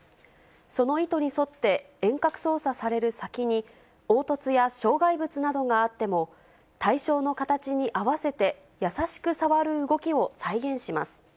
その意図に沿って遠隔操作される先に、凹凸や障害物などがあっても、対象の形に合わせて優しく触る動きを再現します。